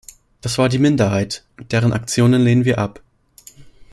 Das war die Minderheit, und deren Aktionen lehnen wir ab.